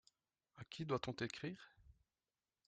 A qui doit-on écrire ?